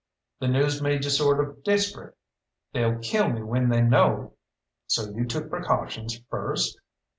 "The news made you sort of desperate?" "They'll kill me when they know!" "So you took precautions first?"